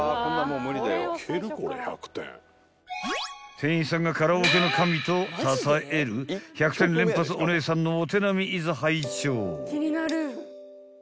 ［店員さんが「カラオケの神」とたたえる１００点連発おねえさんのお手並みいざ拝聴］